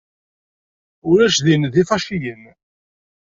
Ulac din d ifaciyen.